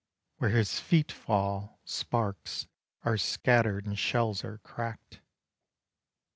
Where his feet fall Sparks are scattered and shells are cracked.